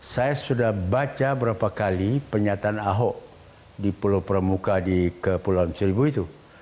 saya sudah baca berapa kali pernyataan ahok di pulau pramuka di kepulauan seribu itu